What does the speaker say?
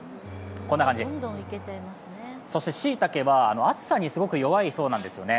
こんな感じ、そして、しいたけは暑さにすごく弱いそうなんですね